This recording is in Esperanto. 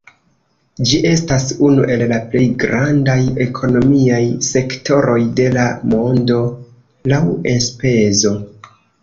Ĝi estas unu el la plej grandaj ekonomiaj sektoroj de la mondo laŭ enspezo.